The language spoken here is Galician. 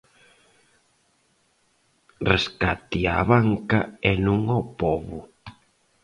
Rescate á banca e non ao pobo.